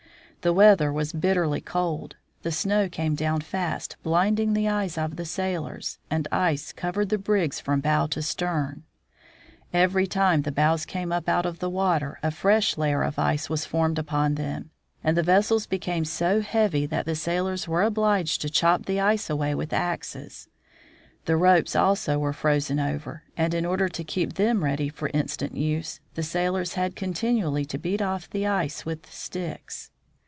The weather was bitterly cold, the snow came down fast, blinding the eyes of the sailors, and ice covered the brigs from bow to stern. Every time the bows came up out of the water a fresh layer of ice was formed upon them, and the vessels became so heavy that the sailors were obliged Mj_; jMM, A Ship in the Ice Pack. to chop the ice away with axes. The ropes also were frozen over, and in order to keep them ready for instant use, the sailors had continually to beat off the ice with sticks.